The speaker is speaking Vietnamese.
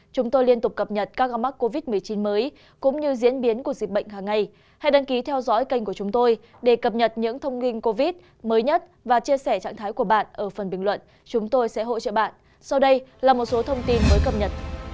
các bạn hãy đăng ký kênh để ủng hộ kênh của chúng mình nhé